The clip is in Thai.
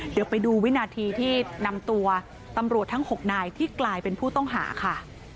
เดี๋ยวไปดูวินาทีที่นำตัวตำรวจทั้ง๖นายที่กลายเป็นผู้ต้องหาค่ะ